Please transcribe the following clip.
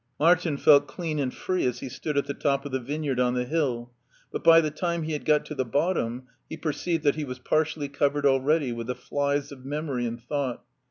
Martin felt clean and free as he stood at the top of the vineyard on the hill, but by the time he had got to the bottom he perceived that he was partially covered already with the flies of memory and thought.